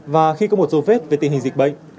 và khi có một dấu vết về tình hình dịch bệnh